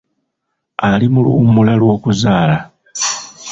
Ali mu luwummula lw'okuzaala.